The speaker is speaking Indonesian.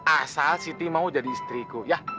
asal siti mau jadi istriku ya